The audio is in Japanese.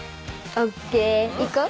ＯＫ行こう。